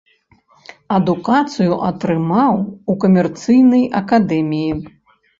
Адукацыю атрымаў у камерцыйнай акадэміі.